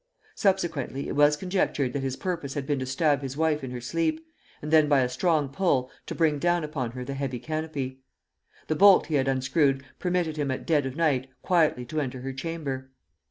Subsequently it was conjectured that his purpose had been to stab his wife in her sleep, and then by a strong pull to bring down upon her the heavy canopy. The bolt he had unscrewed permitted him at dead of night quietly to enter her chamber.